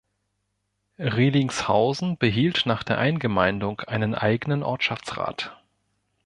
Rielingshausen behielt nach der Eingemeindung einen eigenen Ortschaftsrat.